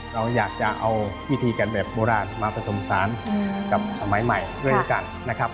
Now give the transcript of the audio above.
เราอยากจะเอาพิธีกันแบบโบราณมาผสมสารกับสมัยใหม่ด้วยกันนะครับ